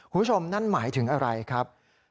คุณผู้ชมนั่นหมายถึงอะไรครับ